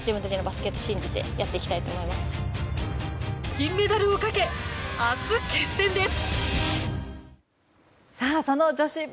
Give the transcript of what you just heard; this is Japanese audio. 金メダルをかけ明日決戦です。